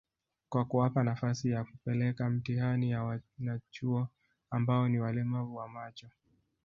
kwa kuwapa nafasi ya kupeleka mtihani ya wanachuo ambao ni walemavu wa macho